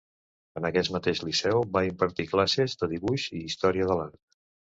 En aquest mateix liceu va impartir classes de dibuix i història de l'art.